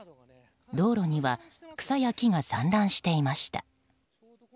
道路には草や木が散乱していました。